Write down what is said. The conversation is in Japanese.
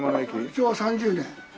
昭和３０年。